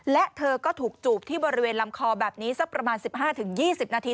และเธอก็ถูกจูบที่บริเวณลำคอแบบนี้สักประมาณ๑๕๒๐นาที